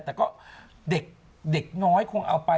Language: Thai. แต่ก็เด็กน้อยคงเอาไป